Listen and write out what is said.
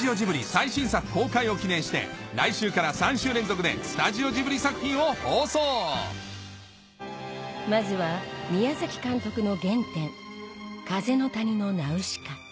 最新作公開を記念して来週から３週連続でスタジオジブリ作品を放送まずは宮監督の原点『風の谷のナウシカ』